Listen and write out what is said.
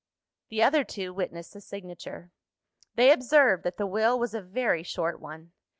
The other two witnessed the signature. They observed that the Will was a very short one.